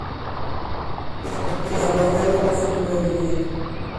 Le aguardaba un futuro europeo inmediato.